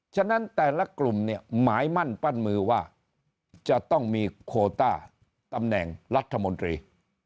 ฉะนั้นแต่ละกลุ่มเนี่ยหมายมั่นปั้นมือว่าจะต้องมีโคต้าตำแหน่งรัฐมนตรี